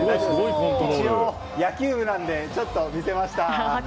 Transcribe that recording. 一応、野球部なのでちょっと見せました。